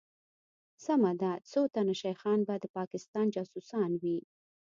سمه ده څوتنه شيخان به دپاکستان جاسوسان وي